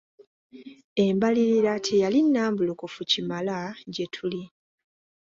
Embalirira teyali nnambulukufu kimala gye tuli.